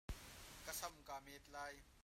Ka sam kaa met lai.